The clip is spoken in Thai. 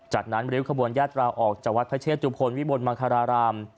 จากนั้นริ้วขบวนยาตราออกจากวัดพระเชตุพลวิบลมังคาราราม